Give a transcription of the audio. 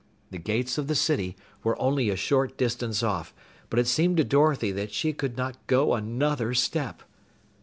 The gates of the city were only a short distance off, but it seemed to Dorothy that she could not go another step.